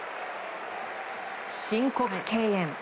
申告敬遠。